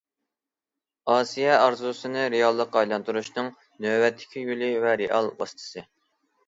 ئاسىيا ئارزۇسىنى رېئاللىققا ئايلاندۇرۇشنىڭ نۆۋەتتىكى يولى ۋە رېئال ۋاسىتىسى.